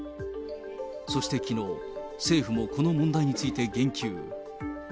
そしてきのう、政府もこの問題について言及。